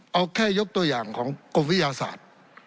เอาแค่ยกตัวอย่างของกรมวิทยาศาสตร์